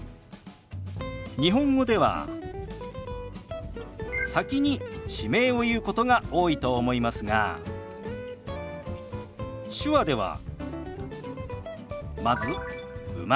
日本語では先に地名を言うことが多いと思いますが手話ではまず「生まれ」。